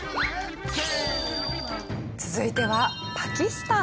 続いてはパキスタン。